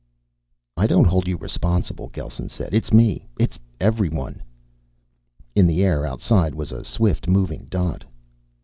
"I don't hold you responsible," Gelsen said. "It's me. It's everyone." In the air outside was a swift moving dot.